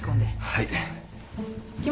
はい。